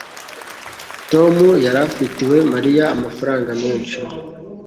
tom yari afitiwe mariya amafaranga menshi